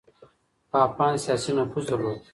پاپان سياسي نفوذ درلود.